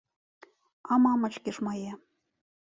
А мамачкі ж мае.